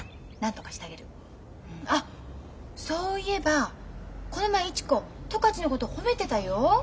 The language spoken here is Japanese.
あっそういえばこの前市子十勝のこと褒めてたよ。